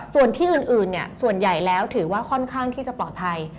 ส่วนที่อื่นส่วนใหญ่แล้วถือว่าค่อนข้างที่จะปลอดภัย